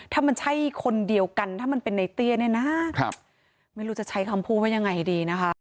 ถ้ามันใช่คนเดียวกันถ้ามันเป็นในเตี้ยเนี่ยนะไม่รู้จะใช้คำพูดว่ายังไงดีนะคะ